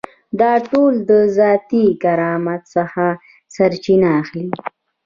دا ټول د ذاتي کرامت څخه سرچینه اخلي.